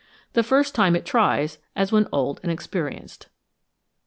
the first time it tries as when old and experienced.